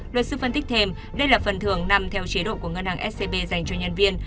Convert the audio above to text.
luật sư phân tích thêm đây là phần thường nằm theo chế độ của ngân hàng scb dành cho nhân viên